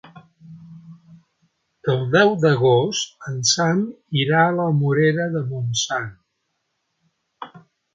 El deu d'agost en Sam irà a la Morera de Montsant.